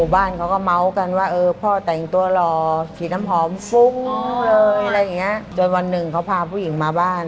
บ้านเขาก็เมาส์กันว่าเออพ่อแต่งตัวหล่อสีน้ำหอมฟุ้งเลยอะไรอย่างเงี้ยจนวันหนึ่งเขาพาผู้หญิงมาบ้าน